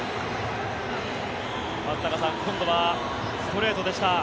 松坂さん今度はストレートでした。